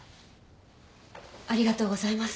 ありがとうございます。